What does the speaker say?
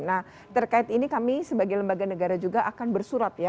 nah terkait ini kami sebagai lembaga negara juga akan bersurat ya